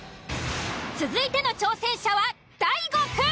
続いての挑戦者は大悟くん。